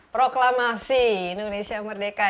proklamasi indonesia merdeka